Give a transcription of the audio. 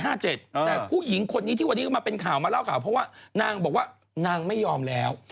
แต่ผู้หญิงคนนี้ที่วันนี้ก็มาเป็นข่าวมาเล่าข่าวเพราะว่านางบอกว่านางไม่ยอมแล้ว